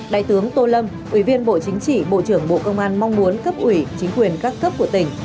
đại tướng tô lâm ủy viên bộ chính trị bộ trưởng bộ công an mong muốn cấp ủy chính quyền các cấp của tỉnh